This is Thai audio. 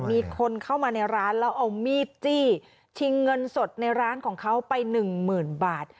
มีคนเข้ามาในร้านแล้วเอามีดจี้ชิงเงินสดในร้านของเขาไปหนึ่งหมื่นบาท